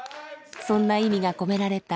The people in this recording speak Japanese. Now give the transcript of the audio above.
そんな意味が込められた